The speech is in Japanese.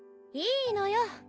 いいのよ！